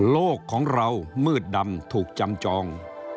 โลกของเรามืดดำถูกจำจอง